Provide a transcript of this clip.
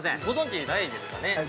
ご存じないですかね？